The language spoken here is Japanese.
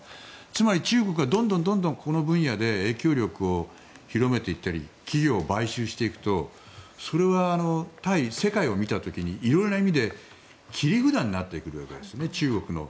つまり中国がどんどんこの分野で影響力を広めていったり企業を買収していくとそれは対世界を見た時に色々な意味で切り札になるんです中国の。